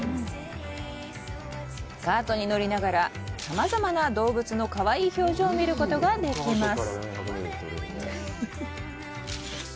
カートに乗りながらさまざまな動物のかわいい表情を見ることができます。